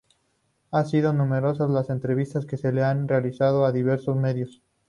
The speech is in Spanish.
Han sido numerosas las entrevistas que se le han realizado en diversos medios.